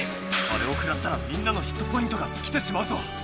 あれをくらったらみんなのヒットポイントがつきてしまうぞ！